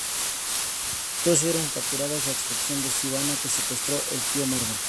Todos ellos fueron capturados, a excepción de Sivana que secuestró al Tío Marvel.